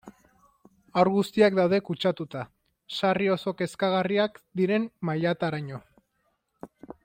Haur guztiak daude kutsatuta, sarri oso kezkagarriak diren mailataraino.